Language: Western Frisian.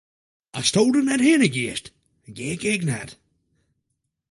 Asto der net hinne giest, gean ik ek net.